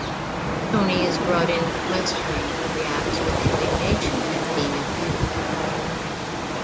Tony is brought in for questioning, but reacts with indignation at being accused.